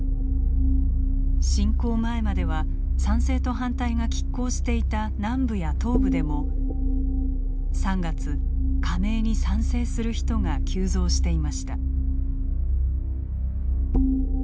侵攻前までは賛成と反対がきっ抗していた南部や東部でも３月加盟に賛成する人が急増していました。